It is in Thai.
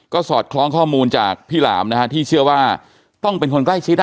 ก็สอดคล้องข้อมูลจากพี่หลามนะฮะที่เชื่อว่าต้องเป็นคนใกล้ชิดอ่ะ